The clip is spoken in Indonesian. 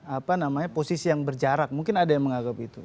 apa namanya posisi yang berjarak mungkin ada yang menganggap itu